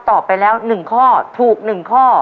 ต่อไปแล้วหนึ่งข้อถูกหนึ่งข้อ